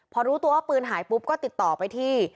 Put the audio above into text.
พอรู้ตัวว่าปืนหายปุ๊บก็ติดต่อไปที่